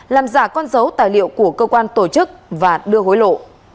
làm giả con dấu tài liệu của cơ quan tổ chức và đưa hối lộ